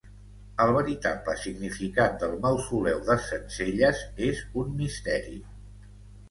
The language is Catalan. El veritable significat del mausoleu de Centcelles és un misteri.